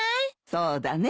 そうだね。